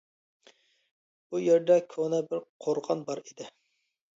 بۇ يەردە كونا بىر قورغان بار ئىدى.